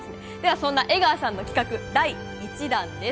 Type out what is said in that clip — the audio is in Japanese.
そんな江川さんの企画第１弾です。